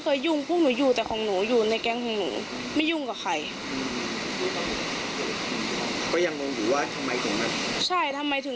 แขมงหนูไม่รู้จักเลยพี่